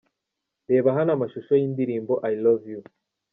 Reba hano amashusho y'indirimbo 'I love you'.